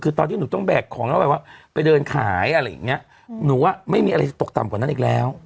คือตอนที่หนูต้องแบกของแล้วแบบว่าไปเดินขายอะไรอย่างเงี้ยหนูว่าไม่มีอะไรจะตกต่ำกว่านั้นอีกแล้ว